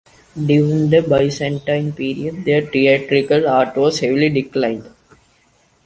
During the Byzantine period, the theatrical art was heavily declined.